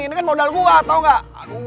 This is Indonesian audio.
ini kan modal gue gak tau gak